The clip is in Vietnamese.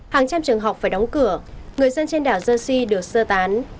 hàng trăm trường học phải đóng cửa người dân trên đảo jersey được sơ tán